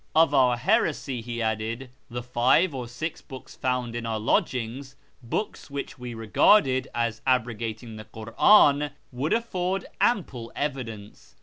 Of our heresy, he added, the five or six books found in our lodgings (books which we regarded as abrogating the Kur'an) would afford ample evidence.